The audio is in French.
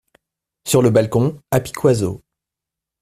Sur le balcon, à Piquoiseau.